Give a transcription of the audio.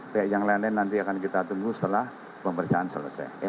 pihak yang lain lain nanti akan kita tunggu setelah pemeriksaan selesai